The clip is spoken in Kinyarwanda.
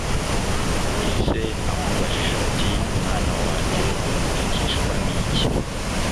Ise amubajije ati “ Mwana wanjye uratakishwa n’iki”,